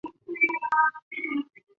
春日部市也是同时包含的自治体。